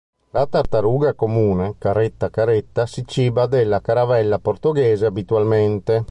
La tartaruga comune "Caretta caretta" si ciba della caravella portoghese abitualmente.